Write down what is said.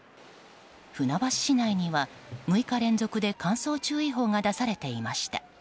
船橋市内には６日連続で乾燥注意報が出されていました。